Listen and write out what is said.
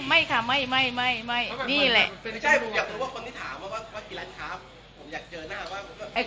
เราอยากจะบอกว่าส่วน๕กับ๖นิดเมื่อนาที